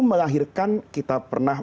melahirkan kita pernah